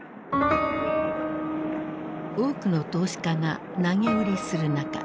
多くの投資家が投げ売りする中